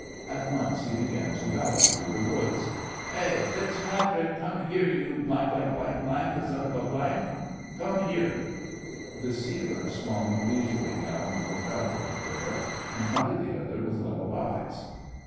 At once he began to bellow through the woods. "Hey! FitzPatrick! Come here, you blank blanked blank of a blank! Come here!" The sealer swung leisurely down the travoy trail and fronted the other with level eyes.